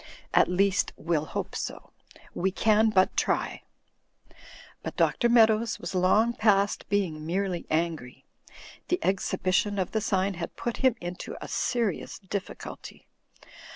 At least, we'll hope so. We can but try." But Dr. Meadows was xong past being merely angry. The exhibition of the sign had put him into a serious difficulty.